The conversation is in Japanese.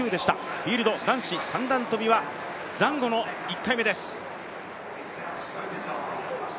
フィールド男子三段跳はザンゴの１回目です。